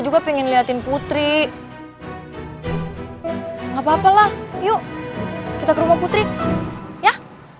gapapa lah yuk kita ke rumah putri ya